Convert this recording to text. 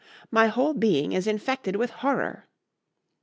My whole being is infected with horror."